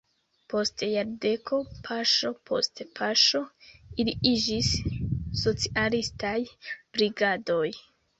Post jardeko paŝo post paŝo ili iĝis "socialistaj brigadoj".